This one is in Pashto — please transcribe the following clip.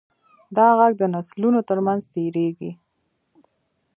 دا غږ د نسلونو تر منځ تېرېږي.